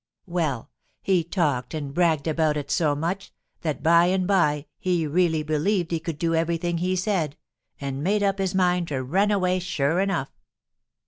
] "Well, he talked and bragged about it so much that by and by he really believed he could do everything he said, and made up his mind to run away sure enough.